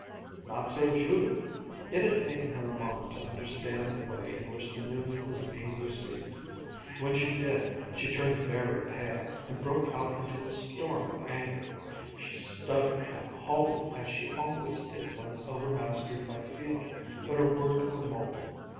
Not so Judith! It had taken her a moment to understand the way in which the news was being received. When she did, she turned very pale, and broke out into a storm of anger. She stuttered and halted as she always did when overmastered by feeling, but her words were molten.